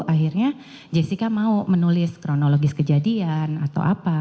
akhirnya jessica mau menulis kronologis kejadian atau apa